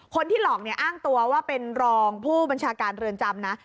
คนที่หลอกเนี่ยอ้างตัวว่าเป็นรองผู้บัญชาการเรือนจำนะ